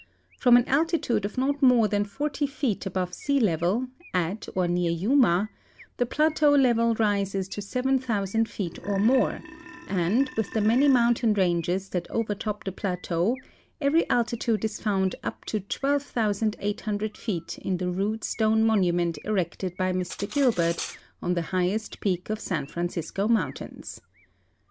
From an altitude of not more than 40 feet above sea level, at or near Yuma, the plateau level rises to 7,000 feet or more, and, with the many mountain ranges that overtop the plateau, every altitude is found up to 12,800 feet in the rude stone monument erected by Mr Gilbert on the highest peak of San Francisco mountains.